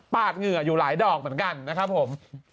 เหงื่ออยู่หลายดอกเหมือนกันนะครับผม